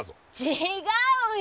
違うよ。